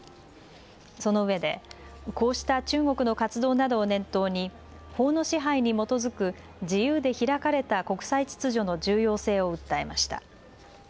そのうえでこうした中国の活動などを念頭に法の支配に基づく自由で開かれた国際秩序の重要性を訴えました。